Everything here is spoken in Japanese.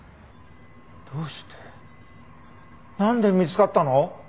どうしてなんで見つかったの？